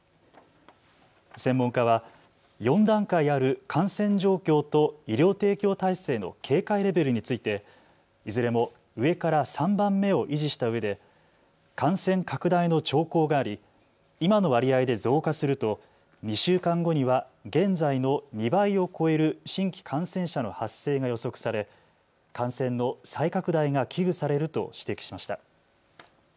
専門家は４段階ある感染状況と医療提供体制の警戒レベルについて、いずれも上から３番目を維持したうえで感染拡大の兆候があり、今の割合で増加すると２週間後には現在の２倍を超える新規感染者の発生が予測され感染の再拡大が危惧されると指摘しました。